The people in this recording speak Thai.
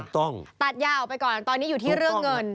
ตัดยาออกไปก่อนตอนนี้อยู่ที่เรื่องเงิน